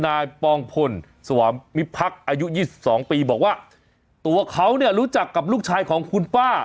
ปองพลสวามิพักษ์อายุ๒๒ปีบอกว่าตัวเขาเนี่ยรู้จักกับลูกชายของคุณป้า